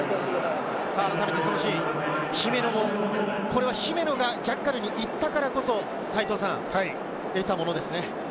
これは姫野がジャッカルに行ったからこそ得たものですね。